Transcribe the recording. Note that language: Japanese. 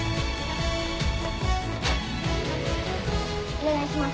お願いします。